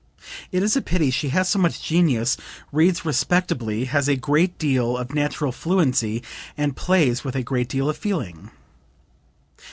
It is a pity; she has so much genius, reads respectably, has a great deal of natural fluency and plays with a great deal of feeling."